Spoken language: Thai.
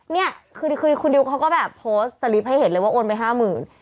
เนี่ยคือคุณดิวเขาก็แบบโพสต์สลิปให้เห็นเลยว่าโอนไปห้าหมื่น